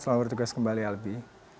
selamat bertugas kembali albi